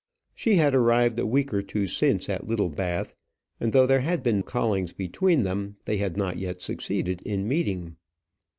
She had arrived a week or two since at Littlebath, and though there had been callings between them, they had not yet succeeded in meeting.